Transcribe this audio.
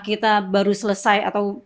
kita baru selesai atau